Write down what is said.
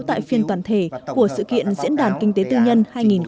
tại phiên toàn thể của sự kiện diễn đàn kinh tế tư nhân hai nghìn một mươi chín